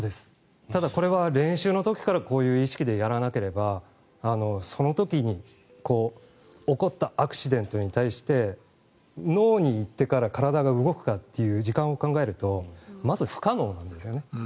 ただこれは練習の時からそういう意識でやらなければその時に起こったアクシデントに対して脳に行ってから体が動くかという時間を考えるとまず不可能なんですよね。